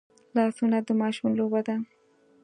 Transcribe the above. لاسونه د ماشوم لوبه ده